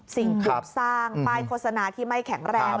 สิ่งปลูกสร้างป้ายโฆษณาที่ไม่แข็งแรง